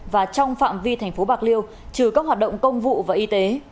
và trong phạm vi thành phố bạc liêu trừ các hoạt động công vụ và y tế